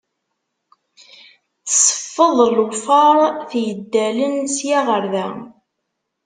Tseffeḍ lufar t-yeddalen sya ɣer da.